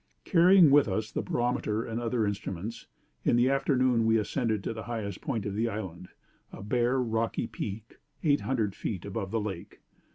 "'Carrying with us the barometer and other instruments, in the afternoon we ascended to the highest point of the island a bare rocky peak, 800 feet above the lake.